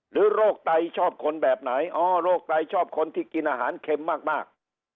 โรคไตชอบคนแบบไหนอ๋อโรคไตชอบคนที่กินอาหารเข็มมาก